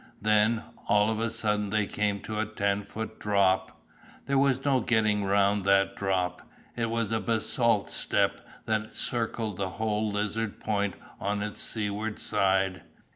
Then, all of a sudden they came to a ten foot drop. There was no getting round that drop, it was a basalt step that circled the whole Lizard Point on its seaward side.